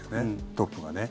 トップがね。